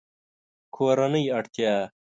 کورنۍ اړتیا